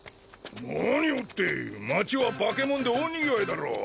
何をって街は化け物で大にぎわいだろ。